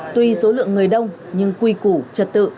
tuy số lượng người đông nhưng quy củ trật tự